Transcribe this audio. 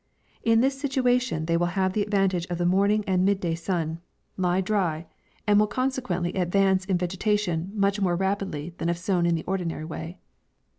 In this situation they will have the advantage of the morning and mid day sun. lie dry, and will consequently MAY. $9 advance in vegetation much more rapidly than if sown in the ordinary way.